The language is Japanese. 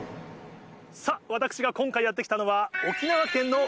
さぁ私が今回やって来たのは。